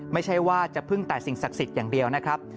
ไม่ใช่ว่าจะพึ่งแต่สิ่งศักดิ์สิทธิ์อย่างเดียวนะครับ